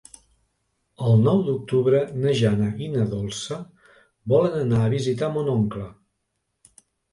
El nou d'octubre na Jana i na Dolça volen anar a visitar mon oncle.